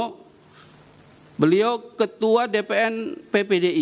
yang pertama beliau ketua dpn ppd